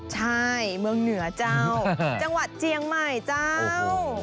ใช่เมืองเหนือเจ้าจังหวัดเจียงใหม่เจ้า